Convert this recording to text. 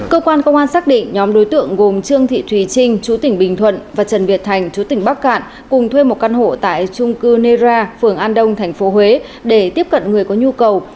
cơ quan công an xác định nhóm đối tượng gồm trương thị thùy trinh chú tỉnh bình thuận và trần việt thành chú tỉnh bắc cạn cùng thuê một căn hộ tại trung cư nera phường an đông tp huế để tiếp cận người có nhu cầu